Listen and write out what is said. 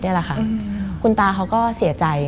มันกลายเป็นรูปของคนที่กำลังขโมยคิ้วแล้วก็ร้องไห้อยู่